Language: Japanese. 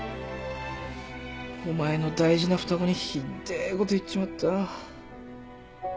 お前の大事な双子にひでえこと言っちまった。